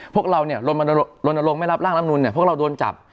พวกเราเนี่ยลนลงไม่รับร่างลำนูนเนี่ยพวกเราโดนจับ